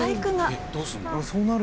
えっどうするの？